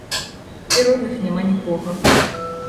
І родных няма нікога.